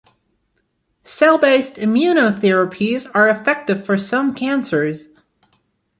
Cell-based immunotherapies are effective for some cancers.